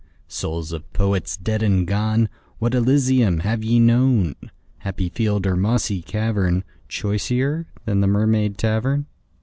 Souls of Poets dead and gone, What Elysium have ye known, Happy field or mossy cavern, Choicer than the Mermaid Tavern?